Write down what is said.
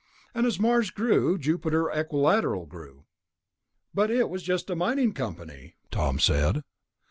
And as Mars grew, Jupiter Equilateral grew." "But it was just a mining company," Tom said.